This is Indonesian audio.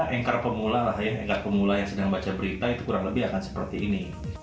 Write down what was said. engkar pemula yang sedang baca berita itu kurang lebih akan seperti ini